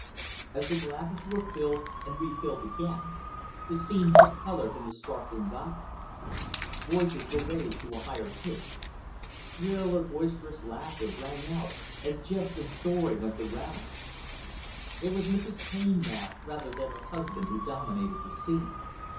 As the glasses were filled and refilled again, the scene took color from the sparkling goblets. Voices were raised to a higher pitch. Shrill or boisterous laughter rang out, as jest and story went the rounds. It was Mrs. Taine, now, rather than her husband, who dominated the scene.